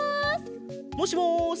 もしもし？